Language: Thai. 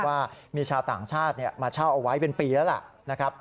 ว่ามีชาวต่างชาติมาเช่าเอาไว้เป็นปีแล้วล่ะนะครับ